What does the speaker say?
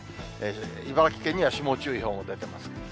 茨城県には霜注意報も出てます。